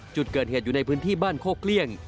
จุดเกิดเหตุอยู่ในพื้นที่บ้านโคกเกลี้ยง